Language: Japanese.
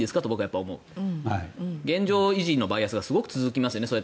現状維持のバイアスがすごく続きますよね。